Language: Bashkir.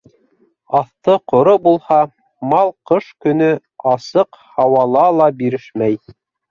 Аҫты ҡоро булһа, мал ҡыш көнө асыҡ һауала ла бирешмәй.